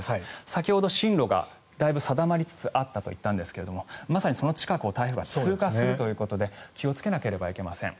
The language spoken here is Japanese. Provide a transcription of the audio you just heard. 先ほど、進路がだいぶ定まりつつあると言ったんですがまさにその近くを台風が通過するということで気をつけなければいけません。